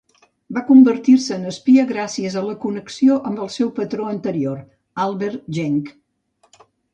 Va convertir-se en espia gràcies a la connexió amb el seu patró anterior, Albert Jenke.